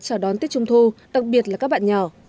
chào đón tiết trung thu đặc biệt là các bạn nhỏ